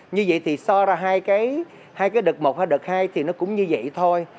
như vậy thì so ra hai cái đợt một và đợt hai thì nó cũng như vậy thôi